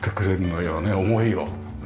思いを。